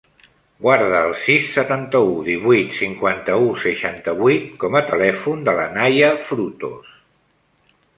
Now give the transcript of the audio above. Guarda el sis, setanta-u, divuit, cinquanta-u, seixanta-vuit com a telèfon de la Naia Frutos.